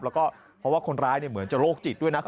แล้วก็เพราะว่าคนร้ายเหมือนจะโรคจิตด้วยนะ